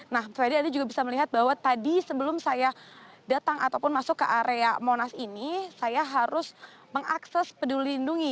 nah ferry anda juga bisa melihat bahwa tadi sebelum saya datang ataupun masuk ke area monas ini saya harus mengakses peduli lindungi